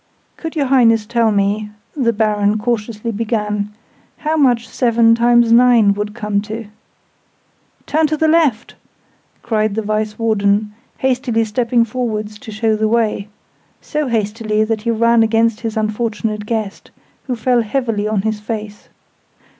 "Could your Highness tell me," the Baron cautiously began, "how much seven times nine would come to?" "Turn to the left!" cried the Vice Warden, hastily stepping forwards to show the way so hastily, that he ran against his unfortunate guest, who fell heavily on his face.